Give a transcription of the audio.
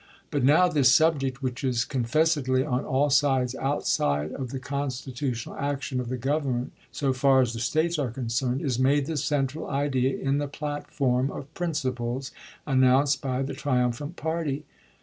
.. But now this subject, which is confessedly on all sides outside of the constitutional action of the Government so far as the States are concerned, is made the central idea in the plat form of principles announced by the triumphant party.